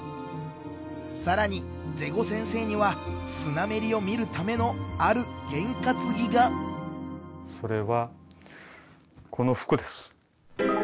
更にゼゴ先生にはスナメリを見るためのある験担ぎがそれはこの服です。